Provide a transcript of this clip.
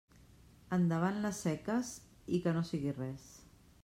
Endavant les seques i que no sigui res.